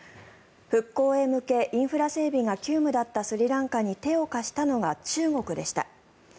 復興へ向けインフラ整備が急務だったスリランカに手を貸したのが中国でした。